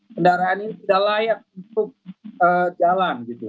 kendaraan ini tidak layak untuk jalan gitu